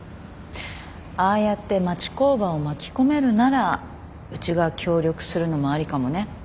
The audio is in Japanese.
ああやって町工場を巻き込めるならうちが協力するのもありかもね。